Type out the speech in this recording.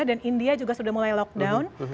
india juga sudah mulai lockdown